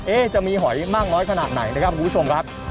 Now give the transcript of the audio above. จะมีหอยมากน้อยขนาดไหนนะครับคุณผู้ชมครับ